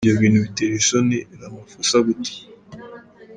Ivyo bintu biteje isoni Ramaphosa gute?.